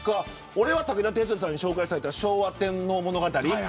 俺は武田さんに紹介された昭和天皇物語。